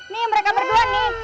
nih mereka berdua nih